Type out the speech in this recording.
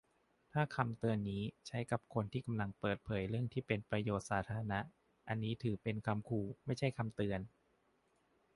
ถ้าคำเตือนนี้ใช้กับคนที่กำลังเปิดเผยเรื่องที่เป็นประโยชน์สาธารณะ อันนี้ถือเป็นคำขู่ ไม่ใช่คำเตือน